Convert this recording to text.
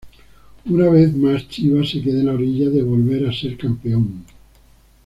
Una vez más Chivas se queda en la orilla de volver a ser campeón.